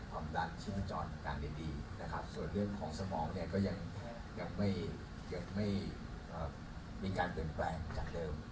ความดันชิ้นจรการดีส่วนเรื่องของสมองก็ยังไม่เกิดไม่มีการเปลี่ยนแปลงจากเดิม